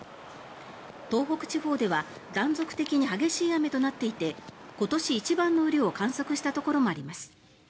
東北地方では断続的に激しい雨となっていて今年一番の雨量を観測したところもあります。